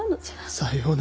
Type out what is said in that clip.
さような。